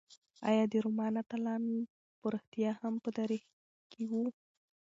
ایا د رومان اتلان په رښتیا هم په تاریخ کې وو؟